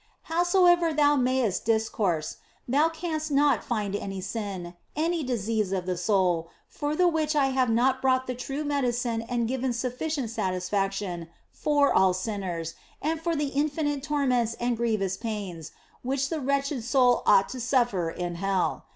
Howsoever thou mayest discourse, thou canst not find any sin, any disease of the soul, for the which I have not brought the true medicine and given sufficient satisfaction for all sinners and for all the infinite torments and grievous pains which the wretched soul ought to suffer in hell.